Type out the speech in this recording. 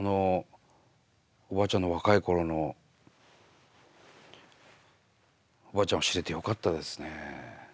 おばあちゃんの若い頃のおばあちゃんを知れてよかったですね。